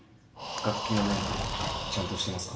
楽器のメンテちゃんとしてますか？